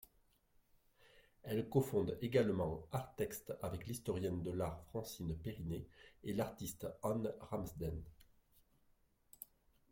Elle cofonde également Artexte avec l’historienne de l’art Francine Périnet et l'artiste Anne Ramsden.